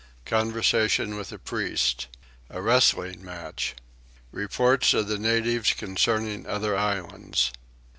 Conversation with a Priest. A Wrestling Match. Reports of the Natives concerning other Islands.